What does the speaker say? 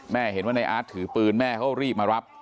เห็นว่าในอาร์ตถือปืนแม่เขารีบมารับ